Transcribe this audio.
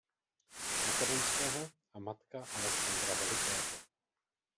Makedonského a matka Alexandra Velikého.